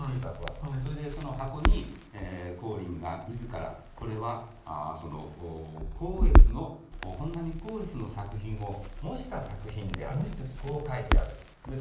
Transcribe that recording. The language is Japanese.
それでその箱に光琳が自らこれは光悦の本阿弥光悦の作品を模した作品であるこう書いてあるんです。